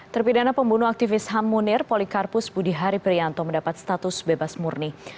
terpidana pembunuh aktivis ham munir polikarpus budihari prianto mendapat status bebas murni